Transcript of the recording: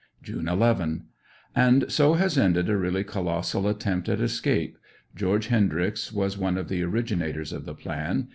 June 11.— And so has ended a really colossal attempt at escape. George Hendryx was one of the originators of the plan.